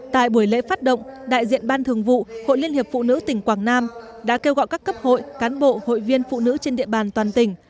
tại buổi lễ phát động đại diện ban thường vụ hội liên hiệp phụ nữ tỉnh quảng nam đã kêu gọi các cấp hội cán bộ hội viên phụ nữ trên địa bàn toàn tỉnh